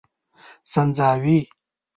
سنځاوي